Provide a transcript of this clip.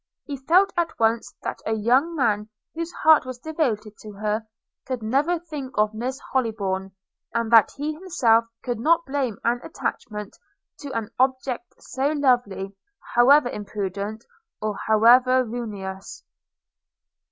He felt at once, that a young man whose heart was devoted to her, could never think of Miss Hollybourn, and that he himself could not blame an attachment to an object so lovely, however imprudent, or however ruinous.